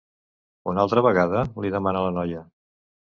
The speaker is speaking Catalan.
Una altra vegada? —li demana la noia.